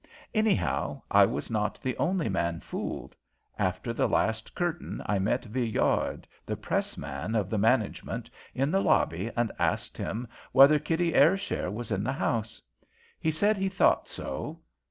Anyhow, I was not the only man fooled. After the last curtain I met Villard, the press man of that management, in the lobby, and asked him whether Kitty Ayrshire was in the house. He said he thought so.